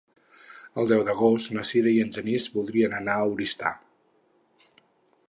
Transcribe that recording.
El deu d'agost na Sira i en Genís voldrien anar a Oristà.